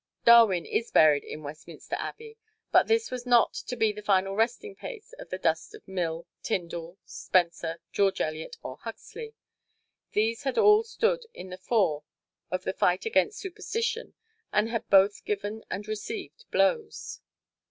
Darwin is buried in Westminster Abbey, but this was not to be the final resting place of the dust of Mill, Tyndall, Spencer, George Eliot or Huxley. These had all stood in the fore of the fight against superstition and had both given and received blows.